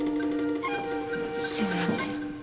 すいません。